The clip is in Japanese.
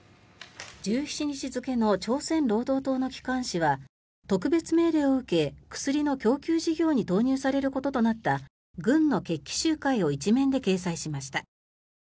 １７日付の朝鮮労働党の機関紙は特別命令を受け、薬の供給事業に投入されることとなった軍の決起集会を１面で掲載しました。